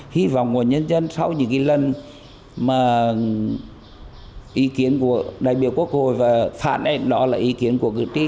hy vọng của nhân dân sau những lần mà ý kiến của đại biểu quốc hội và phản ánh đó là ý kiến của cử tri